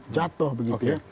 jatuh begitu ya